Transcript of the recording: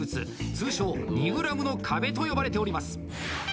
通称２ｇの壁と呼ばれております。